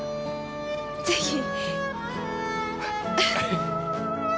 ぜひ。